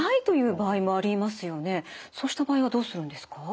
そうした場合はどうするんですか？